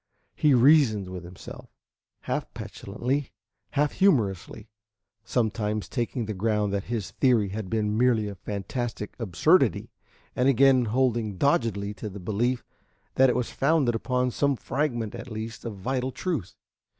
He reasoned with himself, half petulantly, half humorously; sometimes taking the ground that his theory had been merely a fantastic absurdity, and again holding doggedly to the belief that it was founded upon some fragment at least of vital truth.